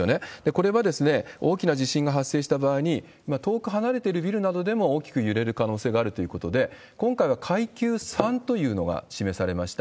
これは大きな地震が発生した場合に、遠く離れているビルなどでも大きく揺れる可能性があるということで、今回は階級３というのが示されました。